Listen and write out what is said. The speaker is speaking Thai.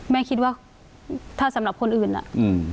แม่คิดว่าสำหรับคนอื่นน่ะ